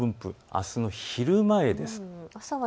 あすの昼前です。